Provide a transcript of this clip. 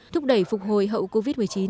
thúc đẩy phục hồi hậu covid một mươi chín